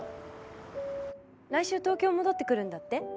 来週東京戻ってくるんだって？